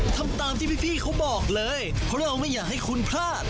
ทำตามที่พี่เขาบอกเลยเพราะเราไม่อยากให้คุณพลาด